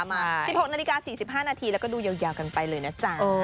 มา๑๖นาฬิกา๔๕นาทีแล้วก็ดูยาวกันไปเลยนะจ๊ะ